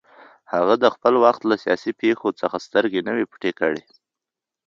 هغه د خپل وخت له سیاسي پېښو څخه سترګې نه وې پټې کړې